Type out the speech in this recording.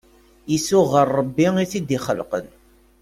Isuɣ ɣer Rebbi i t-id-ixelqen.